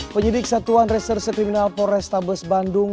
penyidik satuan reserse kriminal polres tabes bandung